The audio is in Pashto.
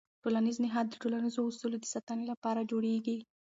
ټولنیز نهاد د ټولنیزو اصولو د ساتنې لپاره جوړېږي.